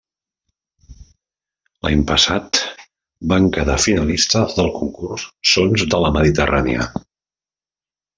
L'any passat van quedar finalistes del concurs Sons de la Mediterrània.